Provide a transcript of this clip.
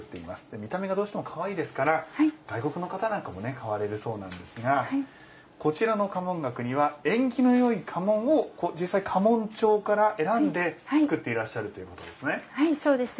見た目がどうしてもかわいいですから外国の方なんかも買われるそうなんですがこちらの家紋額には縁起のいい家紋を家紋帳から選んで作っていらっしゃるということなんですね。